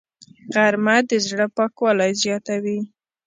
غرمه د زړه پاکوالی زیاتوي